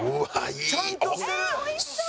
おいしそう！」